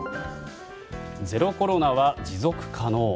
「ゼロコロナは持続可能」。